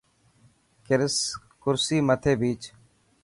ڪرسي مٿي ڀيچ.